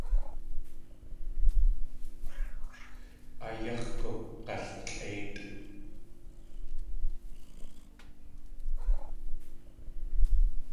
A yáx̲ gug̲altlʼéitʼ.